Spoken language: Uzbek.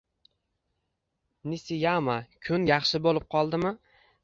Nisiyama-kun yaxshi bo`lib qoldimi